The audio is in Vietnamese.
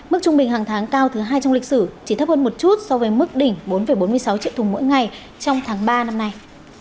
mức trung bình hàng tháng cao thứ hai trong lịch sử chỉ thấp hơn một chút so với mức đỉnh bốn bốn mươi sáu triệu thùng mỗi ngày trong tháng ba năm nay